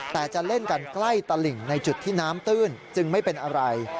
แต่จะเล่นกันใกล้ตลิ่งในจุดที่น้ำตื้นจึงไม่เป็นอะไร